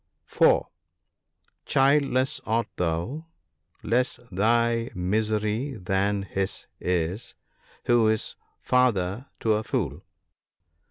(4 ) Childless art thou ? Less thy misery than his is, who is father to a fool.